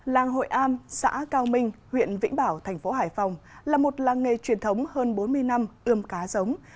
làng hội am xã cao minh huyện vĩnh bảo thành phố hải phòng là một làng nghề truyền thống hơn bốn mươi năm ươm cá giống